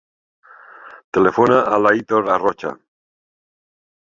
Telefona a l'Aitor Arrocha.